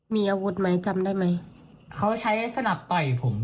มีอาวุธไหมจำได้ไหมเขาใช้สนับต่อยผม